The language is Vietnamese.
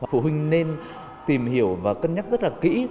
phụ huynh nên tìm hiểu và cân nhắc rất là kỹ